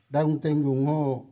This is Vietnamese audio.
đồng tình ủng hộ